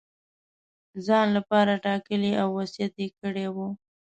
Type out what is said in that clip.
ځان لپاره ټاکلی او وصیت یې کړی وو.